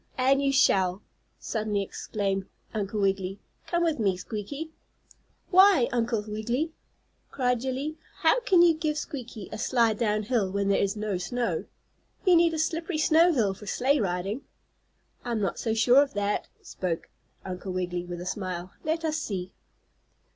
"And you shall!" suddenly exclaimed Uncle Wiggily. "Come with me, Squeaky." "Why, Uncle Wiggily!" cried Jillie. "How can you give Squeaky a slide down hill when there is no snow? You need a slippery snow hill for sleigh riding." "I am not so sure of that," spoke Uncle Wiggily, with a smile. "Let us see."